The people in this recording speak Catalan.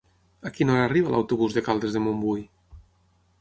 A quina hora arriba l'autobús de Caldes de Montbui?